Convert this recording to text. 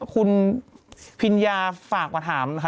คุณพิญญาฝากมาถามค่ะ